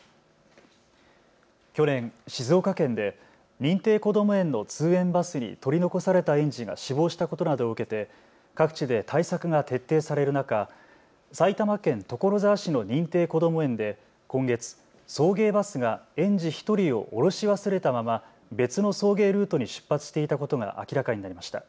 去年、静岡県で認定こども園の通園バスに取り残された園児が死亡したことなどを受けて各地で対策が徹底される中、埼玉県所沢市の認定こども園で今月、送迎バスが園児１人を降ろし忘れたまま別の送迎ルートに出発していたことが明らかになりました。